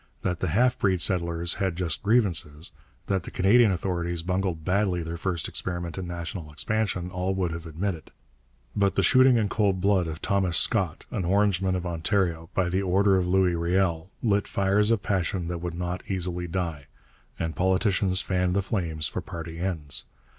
That the half breed settlers had just grievances, that the Canadian authorities bungled badly their first experiment in national expansion, all would have admitted. But the shooting in cold blood of Thomas Scott, an Orangeman of Ontario, by the order of Louis Riel, lit fires of passion that would not easily die. And politicians fanned the flames for party ends.